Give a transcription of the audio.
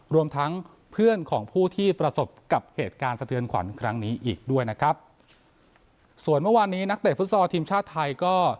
รวมทั้งเพื่อนของผู้ที่ประสบกับเหตุการณ์สะเทือนขวัญครั้งนี้อีกด้วยนะครับส่วนเมื่อวานนี้นักเตะฟุตซอลทีมชาติไทยก็